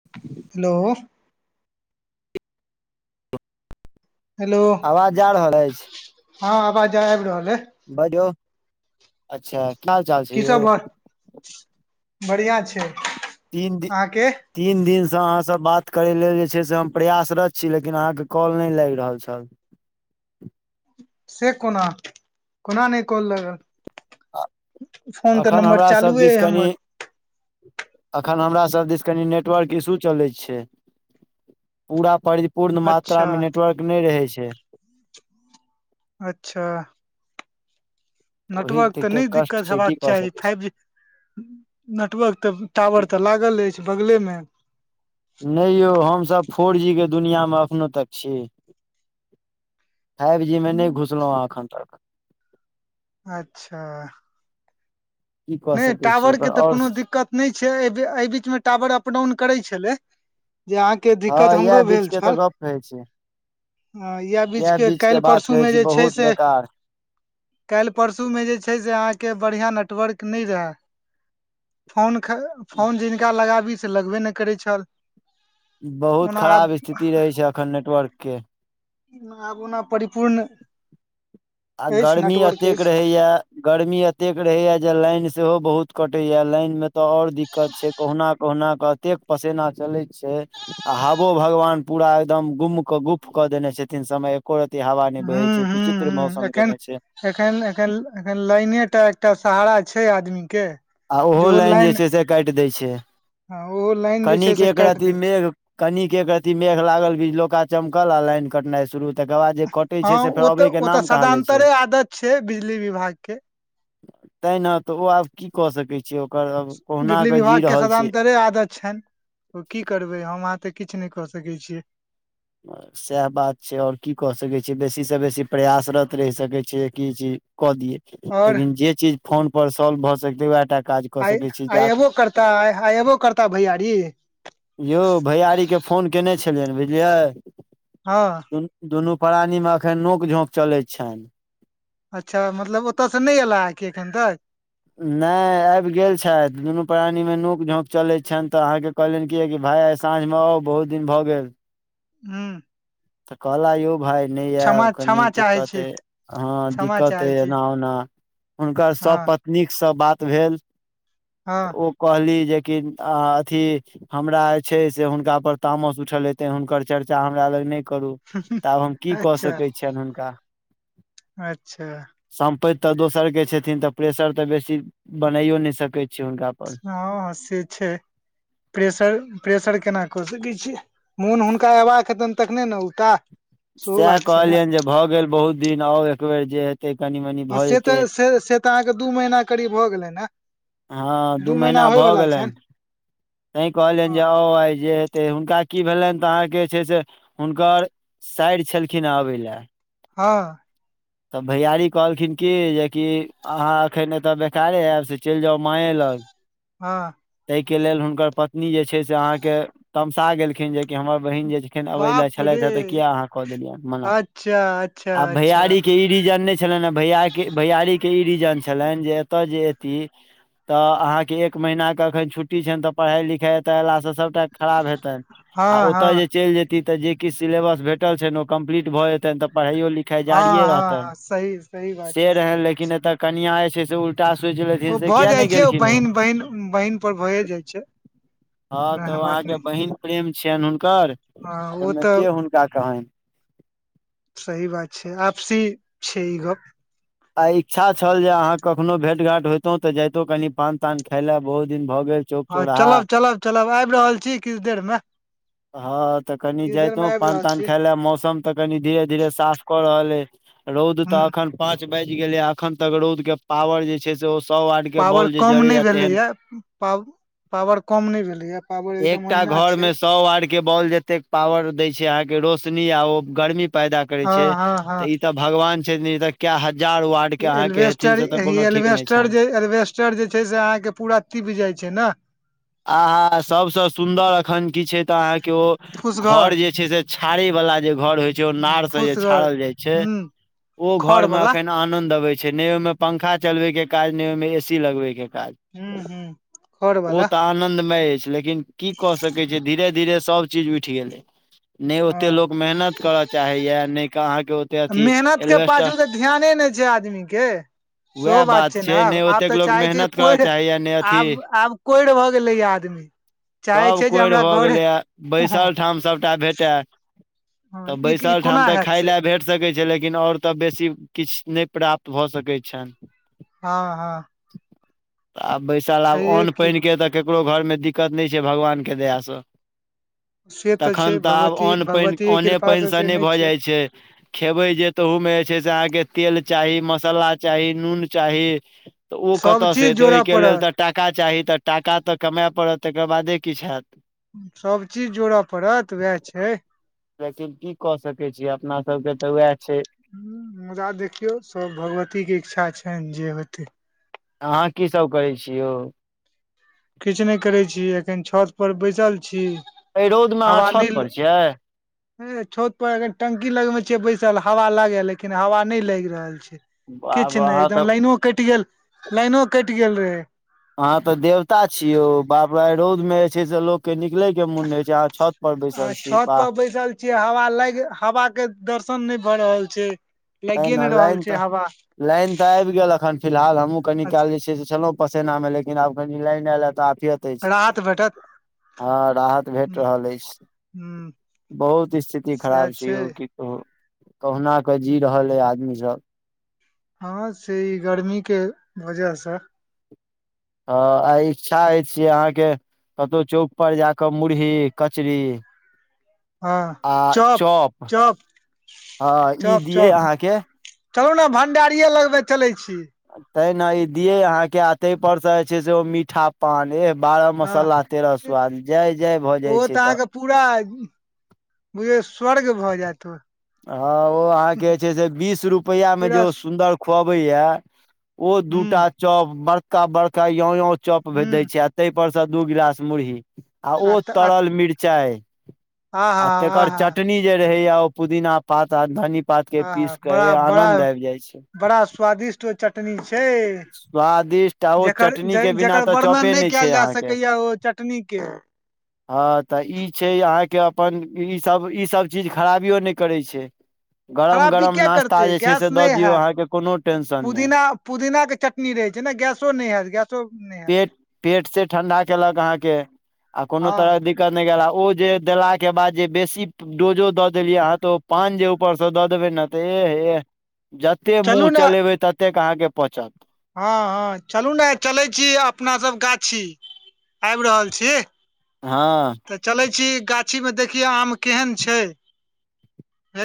[inaudible] Hello hello आवाज जा रहल अछि हँ आवाज आबि रहल ऐ बाजो अच्छा की हाल चाल छै की सब यौ भऽ बढ़िआ छै तीन दि अहाँके तीन दिनसँ अहाँसँ बात करै लेल जे छै से हम प्रयासरत छी लेकिन अहाँ कऽ कॉल बच लाइग रहल छल से कोना कोना नय कॉल लगल फोन तऽ अखन नम्बर हमरा चालुए य हमर एखन हमरा सभ दिस कनि नेटवर्क इशू चलै छै पूरा परिपूर्ण मात्रा अच्छा मे नेटवर्क नय रहै छै अच्छऽ ओहि नेटवर्क तऽ के नय कष्ट दिक्कत छै हेबाक की कऽ चाही सकैत छी फाइव जी नेटवर्क तऽ टावर तऽ लागल अछि बगले मे नय यौ हमसभ फोर जी केँ दुनिया मऽ अखनो तक छी फाइव जी मे नय घुसलहु हँ एखन तक अच्छऽ की कऽ नय सकैत छियै टावर ओकर केँ तऽ आओर कोनो दिक्कत नच छै एय एहि बीच मे टावर अप डाउन करै छलै जे अहाँ केँ हँ दिक्कत इएह हमरो बीच भेल के तऽ छल गप कहै छी हँ ऐह इएह बीचके बीच के काइल बात कहै परसूमे छी जे छै बहुत से बेकार काइल परसूमे जे छै से अहाँकेँ बढ़िआँ नेटवर्क नय रहै फोन ख फोन जिनका लगाबी से लगबे नय करै छल बहुत ओना आब खराब स्थिति रहे छै अखन नेटवर्क केँ ना आब ओना परी आ गर्मी नेटवर्क अतेक अछि रहै यऽ गर्मी एतेक रहै यऽ जे लाइन सेहो बहुत कटै यऽ लाइन मे तऽ आओर दिक्कत छै कहुना - कहुना कऽ अतेक पसेना चलैत छै आ हवो भगवान पूरा एकदम गुम क गुफ कऽ देने छथिन समय एको रत्ती हवा नहि बहै हूँ छै हूँ बिचित्र हूँ मौसम एखन केने छै एखन एखन एखन लाइने टा एकटा सहारा छै आदमी केँ आ ओहो लाइन जे छै से काइट दैय छै हँ ओहो लाइन जे छै कनिक से काटि दै एकरतीक छै मेघ कनिक एक रती मेघ लागल बीजलोका चमकल आ लाइन कटनाइ शुरू तकर बाद जे कटै हँ छै से फेर ओ तऽ अबै के ओ तऽ नाम कहाँ लै सदान्तरे आदत छै बिजली विभाग केँ तैय नऽ तऽ ओ आब की कऽ सकै छी ओकर अ बिजली विभाग केँ सदंतरे आदत छैन ओ की करबै हम अहाँ तऽ किछ नय कऽ सकै छियै बस सैह बात छै आओर की कऽ सकै छिये बेसी सँ बेसी प्रयासरत रहि सकै छ छिये की चीज कऽ दिये आओर लेकिन जे चीज फोन पर सॉल्व भऽ सकतै वैह टा काज कऽ आइ सकै छी - आइ जा अयबो करता आइ - आइ अबो करता भैयारी यौ भैयारी के फोन केने छलियनि बुझलियै हँ दुनू - दुनू प्राणी मे अखैन नोक झोक चलैत छैन अच्छा मतलब ओतयसँ नय एयला हँ कि एखन तक नय आबि गेल छैथ दुनू प्राणी मे नोक झोक चलैत छनि तऽ अहाँकेँ कहलनि कि की भाइ आइ साँझमे आउ बहुत दिन भऽ गेल हुँ तऽ कहला यौ भाय नय आयब क्षमा कनी क्षमा चाहै दिक्कत छी एय हँ क्षमा दिक्कत हइ चाहै छी एना ओना हुनकर सभ हँ पत्नीकसँ बात भेल तऽ हँ ओ कहली जेकि आ अथी हमरा जे छै से हुनका पर तामस उठल यऽ तैँ हुनकर चर्चा हमरा लग नय करू तऽ आब हम की कऽ सकै छियैन हुनका अच्छऽ सम्पैत तऽ दोसर केँ छथिन तऽ प्रेशर तऽ बेसी बनाइयो नइ सकै छिये हुनका पर हँ - हँ से छै प्रेशर - प्रेशर केना कऽ सकै छियै मोन हुनका अयबाक हेतैन तखने नऽ अउताह सैह कहलियैन जे भऽ गेल बहुत दिन आउ एकबेर जे हेतै कनि मनि हँ भऽ से जेतै तऽ से से तऽ अहाँकेँ दू महीना करीब भऽ गेलै नऽ हँ दू महीना भऽ गेलैन तै कहलियनि जे हँ आउ आइ जे तऽ हुनका की भेलनि तऽ अहाँके जे छै से हुनकर साइर छलखिन हँ अबै लऽ हँ तब भैयारी कहलखिन की जेकि अहाँ एखैन एतय बेकारे ऐब से चलि जाउ माँए लग हँ ताहि केँ लेल हुनकर पत्नी जे छै से अहाँकेँ तमसा गेलखिन जे की हमर बहिन जे छै एखैन अबै लऽ बाप छलैथ रे हँ तऽ किया अहाँ कऽ देलियै मना अच्छा अच्छा आ अच्छा भैयारी केँ ई रीजन छलैन भैय केँ भैयारीक केँ ई रीजन छलैन जे एतय जे एती तऽ अहाँकेँ एक महीनाे एखन छुट्टी छैन तऽ पढ़ाइ लिखाई एतऽ अयलासँ सभ टा खराब हेतैन आ हँ ओतऽ जे हँ चैल जेती जे किछ सिलेस भेटल छैन ओ कम्पलीट भऽ जेतैन तऽ पढ़ायो लिख खेजारिये हँ हँ रहतैन हँ सही सही बात छै से सही रहैन बात लेकिन छै एतऽ कनिया जे छै से उल टा सोइच लेथिन ओ से भऽ किया जाइ नय छै गेलखिन ओ बहिन बहिन बहिन पर भए जाइ छै हँ कोनो तऽ ओ एहन बात अहाँकेँ नहि बहिन प्रेम छियेन हुनकर हँ ओ ओहिमे तऽ के हुनका कहनि सही बात छै आपसी छै ई गप आइ इच्छा छल जे अहाँ कखनो भेट घाट होयइतो तऽ जयइतहुँ कनि पान तान खाय लऽ बहुत दिन भऽ गेल चौक हँ चौराहा चलब चलब चलब आइब रहल छी किछ देर मे हँ तऽ कनि किछु देर मे जइतो आबि पान रहल तान छी खाय लऽ मौसम तऽ कनि धीरे - धीरे साफ कऽ रहल अइ रौद हूँ तऽ अखन पाँच बाइज गेलै आ अखन तक रौद केँ पावर जे छै से ओ सौ वाट के पावर बॉल जे कम नइ जड़ैया भेलै तेहन ए पा पावर कम नय भेलैय पावर एकदम एकटा ओहिना घर छै मे सौ वाट के बॉल जते पावर दै छै अहाँ के रोशनी आ ओ गर्मी पैदा करै हँ छै हँ तऽ हँ ई तऽ भगवान छथि इ तऽ कय हजार वाट इ एलबेस्टर एहि एलबेस्टर जे एलबेस्टर जे छै से अहाँके पूरा तीप जाय छै ने आहा सभसँ सुन्दर एखन की छै तऽ अहाँके ओ घर फूसघर जे छै से छड़े वला जे घर होइ छै ओ ह नार से जे फूसगर छाड़ल जाय छै ह ओ खर घर में बला एखन आनद अबे छै ने ओमे पंखा चलबे के काज ने ओहिमे मे ए सी लगबे के काज ह ह खर ओ बला तऽ आनन्दमय अछि लेकिन की क सकैत छि धीरे -धीरे सब चीज उठि गेलै ने ओते हँ लोक मेहनत करऽ चाहैये नय ऽ अहाँके ओ मेहनत के पाछू तऽ ध्याने नय छै आदमी के सेहो वएह बात छै ने आब नहि आब ओतेक तऽ लोग चाहै छै मेहनत करऽ कोढ़ि चाहैया नहि अथी आब आब कोढ़ि भऽ गेलै य आदमी चाहै छै जे कोढ़ हमरा भऽ घरे गेलै ये हँ बैसल ठाम सभटा भेटए हँ, तऽ ई ई बैसल ठाम कोना तऽ हैत खााय से ले भेट सकैत छै लेकिन ओर तऽ बेसी किछ नय प्राप्त भऽ सकैत छन हँ हँ आब बैसल आब छैहे अन्न की पाइन के तऽ ककरो घर मे दिक्कत नय छै भगवान के दया सॅं से छै तखन तऽ आब भगवती अने पाइन भगवती अन्ने कृपा से पानिसँ से नय नहि भऽ जाइ छै खेबै जे तहूमे जे छै से अहाँके तेल चाही मसाला चाही नून चाही तऽ ओ सब कतयसँ चीज एतै जोड़ऽ ओहिके लेल पड़त तऽ टाका चाही तऽ टाका तऽ कमाए पड़त तकर बादे किछ होयत सभ चीज जोड़य पड़त उएह छै लेकिन की कऽ सकै छी अपना सबके तऽ उएह छै ह मुदा देखियौ सब भगवती के इच्छा छैन जे हेतै अहाँ की सब करै छी यौ? किछु नय करै छी एखन छत पर बैसल छी ए रौद मे अहाँ हवा नहि छत पर छियै छत पर एखन टंकी लगमे छियै बैसल हवा लागे लेकिन हवा नय लागि रहल छै आब किछ नय अहाँ तऽ एकदम लाइनो कटि गेल लाइनो कटि गेल रहै अहाँ तऽ देवता छी यौ बाप रे ऐ रौद में जे छै से लोक के निकलै के मुन नै होइ छै अहाँ छत पर आ बैसल छी छत बाह पर बैसल हवा लाग हवा के दर्शन नय भऽ रहल छै त लागिए ने नहि रहल लाइन तऽ छै हवा लाइन तऽ आबि गेल एखन फिलहाल हमहूँ कनि काल अच्छा जे छै से छलहुँ पसेना मे लेकिन आब कनि लाइन आयल या त कनि राहत भेटत हँ राहत भेट रहल अछ हू बहुत स्थिति खराब छै यौ की कहुना के जी रहल ऐ आदमी सब हँ से ई गर्मी के वजह सँ हॅं आय इच्छा ऐछ जे अहाँके कतहु चौक पर जाा कऽ मुरही कचरी हँ आ चप चॉप चप हँ इ चप दियै चप अहाँके चलू ने भण्डारिये लग मे चलै छी तै ने इ दियै अहाँके आ ताहिपर सँ जे छै से ओ मीठा पान ए बारह हँ मसाला तेरह स्वाद जय जय भऽ ओ जाइ छै तऽ अहाँके पूरा बुझ जे स्वर्ग भऽ जायत ओ हँ ओ अहाँके जे छै से बीस रुपैया मे जे पूरा ओ सुन्दर खुअबैए ओ हुँ दूटा चॉप बड़का बड़का यो यो चॉप भे दय हुँ छै तै परसँ दू गिलास मुरही आ ओ त- आ तरल मिरचाइ हा आ हा तेकर हा चटनी जे रहेया ओ पुदीना पात आ धनी पात के आहा पीस के बड़ा ऐह बड़ा आनंद आइब जाय छै बड़ा स्वादिष्ट चटनी छै स्वादिष्ट आ ओ चटनी के ज बिना जकर तऽ चॉपे वर्णन नय नहि छै कयल जा अहाँ के सकैये ओ चटनी चटनी के हँ तऽ ई छै अहाँ के अपन ई सब ई सब चीज खराबियो नय करे छै गरम खराबी गरम किया नास्ता करतै जे छै गैस से नहि दऽ दियौ हैत अहाँके कोनो टेंशन नय पुदीना पुदीना के चटनी रहे छै ने गैसो नै हैत गैस [unintelligible] नै पेट पेट से ठंडा केलक अहाँ के आ कोनो हँ तरह दिक करने गेला ओ जे देलाके बाद जे बेसी डोजो दऽ देलियै अहाँ तो पान जे ऊपर से दऽ देबै ने तऽ ऐह ऐह जत जते मुँह चलू ने चलेबै ततेक अहाँके पचत हँ हँ चलू ने चलै छी अपना सब गाछी आइब रहल छी हँ तऽ चलै छी गाछीमे देखियौ आम केहन छय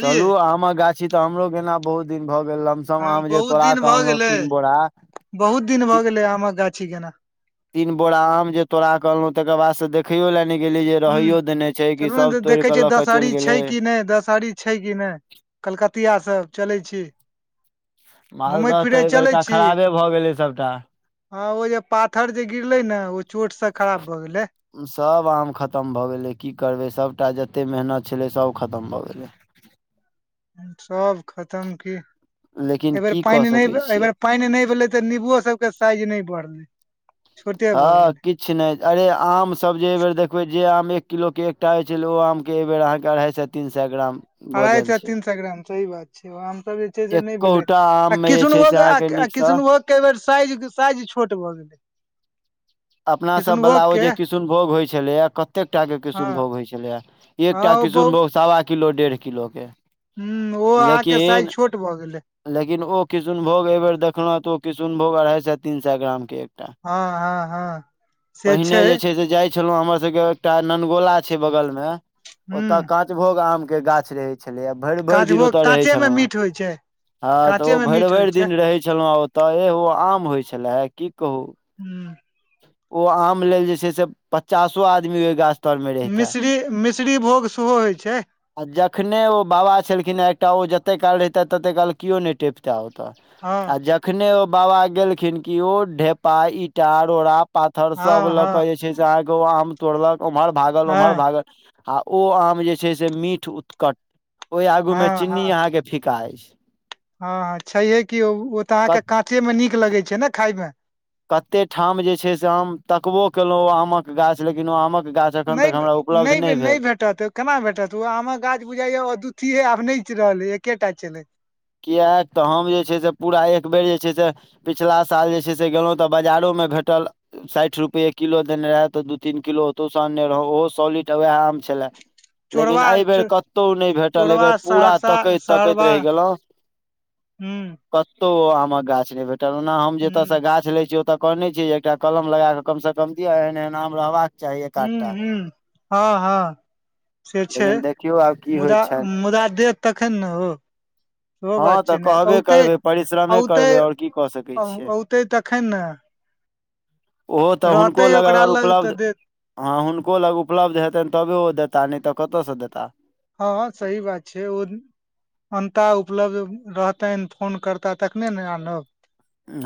चलू आमक गाछी तऽ हमरो गेना बहुत दिन भऽ गेल सब हँ आम जे बहुत तोरा दिन क भऽ अनलो गेलै तीन बोरा बहुत दिन भऽ गेलै आमक गाछी गेना तीन बोरा आम जे तोड़ा क अनलो तकर बाद से देख देखैयो लए नय गेलियै जे हूँ रहैयो देने छै कि सब तोड़ कऽ लऽ के चैल गेलै नय दसहरी छै कि नय कलकतिआ सब चलै छी मालदह घूमैत तऽ ऐय फिरैत चलै बेड़का छी खराबे भऽ गेलै सभटा हँ ओ जे पाथर जे गिरले ने ओ चोट से खराब भए गेलै सभ आम खतम भऽ गेलै की करबै सभटा जते मेहनत छलै सभ खतम भऽ गेलै सब खतम की ऐ लेकिन बेर की पाइन कऽ नय सकै ऐ छियै। बेर पाइन नय भेलै तऽ निबूओ सबके साइज नय बढ़लै छोटे भऽ हँ गेलै कि छि नै अरे आमस जे ऐ बेर देखबै जे आम एक किलोके एकटा होइ छलै ओ आमके ऐ बेर अहाँके अढ़ाइ सए तीन सए ग्राम अढ़ाइ वजन सए छै। तीन सए ग्राम सही बात छै आमसभ जे छै से नय भेलै एकोटा आम आ मे जे छै किसनभो से अहाँके नीक सँ कृष्णभोगके ऐ बेर साइज साइज छोट भऽ गेलै अपना किशुनभोग सभवला ओ के जे किसुनभोग होइत छलैए कतेकटा के हँ किसुनभोग होइ छलैया हँ एकटा ओ बहु किसुनभोग सवा किलो डेढ़ किलो के हु ओ अहाँके साइज लेकिन छोट भऽ गेलै लेकिन ओ किशुनभोग ऐ बेर देखल तऽ ओ किशुनभोग अढ़ाई सए तीन सए ग्राम के एकटा हँ हँ हँ पहिने जे छै से जाय छलो हमर सबके एकटा ननगोला छै बगल में ओत कात ह पाँचभोग आमके गाछ रहै छलै आ भेर भेर दिन काँचभोग ओतय रहै काँचे मे छलहुँ हेँ मीठ होइ छै हँ तऽ ओ काँचे मे भेर मीठ होइ भेर छै दिन रहै छलौ ह ओतऽ ए ओ आम होइ छले हे की कहू हू ओ आम लेल जे छै से पचासो आदमी के गाछ। तर मे रहिते मिश्ररी मिश्ररी भोग सेहो होइत छै आ जखने ओ बाबा छलखिन एकटा ओ जते काल रहिते तते काल कियो नहि टेप तऽ ओताऽ हँ आ जखने ओ बाबा गेलखिन कि ओ ढेपा ईटा रोड़ा पाथर सब हँ लऽ कऽ हँ जे छै से वो अहाँके ओ आम तोड़लक उम्हर भागल ओम्हर हँ भागल आ ओ आम जे छै से मीठ उतकट ओहि आगू मे हँ चीन्नी हँ अहाँके फिका अछि हँ ह छैहे की ओ तऽ क अहाँके काँचे मे नीक लगे छै ने खाय मे कतेक ठाम जे छै से आम तकबो केलहुँ ओ आमक गाछ लेकिन ओ आमक गाछ जखन नहि तक हमरा उपलब्ध नहि भेल। भेटत केना भेटत ओ आमक गाछ बुझाइया द अदुतीये आब नहि रहल एकेटा चल कियाक तऽ हम जे छै से पूरा एक बेर जे छै से पिछिला साल जे छै से गेलहुँ तऽ बाजारोमे भेटल। साठय रुपए किलो देने रहे तो दू तीन किलो ओतोसँ अनने रहौं ओहो सॉलिड वएह आम छले चोरबा लेकिन एहिबेर कतहु नहि भेटल एहि चोरबा बेर पूरा सहरसा तकैत तकैत सहरबा रैह गेलहुँ हूँ। कतहु ओ आमक गाछ नहि भेटल ओना हम जतयसँ हूँ गाछ लैत छीय ओतय कहने छी जे एकटा कलम लगाके कम से कम दिय एहन एहन आम रहबाका हूँ हूँ हँ हँ से छै लेकिन देखियौ आब की होइ मुदा छनि मुदा देत तखन ने हो सेहो हँ बात तऽ छै ने कहबे ते करबै परिश्रमे ते करबै आओर की कऽ सकैत छियै औते तखन ने ओहो तऽ रहतै हुनको लग ओकरा अगर तऽ उपलब्ध देत हँ हुनको लग उपलब्ध हेतन तबे ओ देताह नहि तऽ कतयसँ देताह हँ सहि बात छै ओ अन्ता उपलब्ध रहतैन फोन करताह तखने ने आनब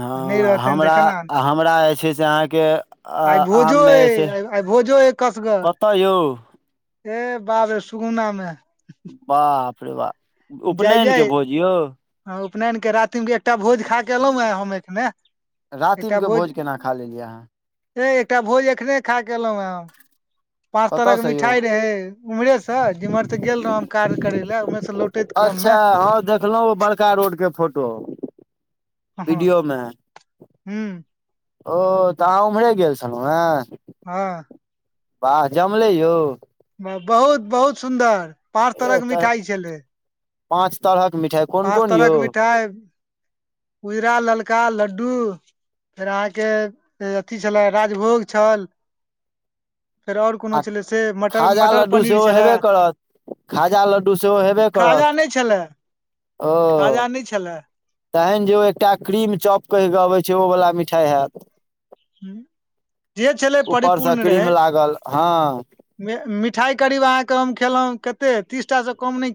हँ आ नहि रहतनि तऽ हमरा केना आनब हमरा जे छै से अहाँके आइ भोजो आममे जे अइ छै आइ भोजो हे कसगर कतऽ यौ हे बाप रे सुगुना मे बापरे बा जय जय उपनयनके रातिमे एकटा भोज खा कऽ एलहुँ हे हम एखने। रातिम के भोज केना खा लेलियै अहाँ ए एकटा भोज एखने खा के एलहुँ ह पाँच तरहके कतयसँ यौ मिठाई रहै उम्हरेसँ जिम्हर त गेल रहौ काज करय लए उम्हरसँ लौटैत क्रम मे अच्छा ह देखलहु ओ बड़का रोड के फोटो ह हँ [inaudible] वीडियो मे [unintelligible] हूँ ओ तऽ अहाँ उमरे गेल छलहु हँ हँ बाह जमले यौ बहुत बहुत सुन्दर पाँच तरह ए के तऽ मिठाई छै पाँच तरहक मिठाइ कोन पाँच कोन तरह यौ के मिठाइ उजरा ललका लड्डू फेर अहाँके अथी छलै राजभोग छल फेर आओर कोनो आ छलै से मटर खाजा मटर लड्डू पनीर सेहो छले हेबे करत खाजा लड्डू सेहो हेबे करत खाजा नय छले ओ खाजा नय छले तहन जे ओ एकटा क्रीम चॉप कहि कऽ अबै छै ओ वला मिठाइ हैत जे छलै ऊपरसँ क्रीम लागल हँ मे मिठाइ करीब अहाँके के हम खेलौं कते तीसटा से कम नय खेल